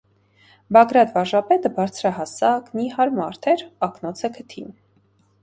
Բագրատ վարժապետը, բարձրահասակ, նիհար մարդ էր՝ ակնոցը քթին: